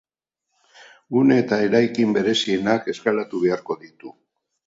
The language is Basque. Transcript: Gune eta eraikin berezienak eskalatu beharko ditu.